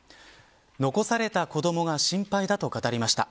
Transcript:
残された子どもが心配だと語りました。